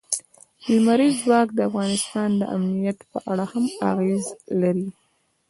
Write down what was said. لمریز ځواک د افغانستان د امنیت په اړه هم اغېز لري.